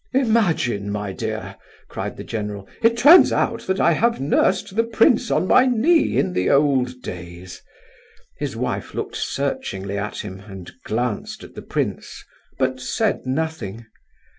"Imagine, my dear," cried the general, "it turns out that I have nursed the prince on my knee in the old days." His wife looked searchingly at him, and glanced at the prince, but said nothing.